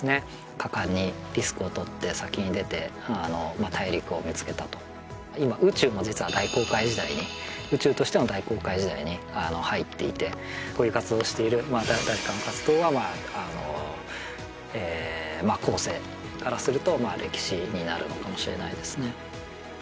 果敢にリスクを取って先に出てあの大陸を見つけたと今実は宇宙としての大航海時代にあの入っていてこういう活動をしているまあ誰かの活動があのえ後世からすると歴史になるのかもしれないですね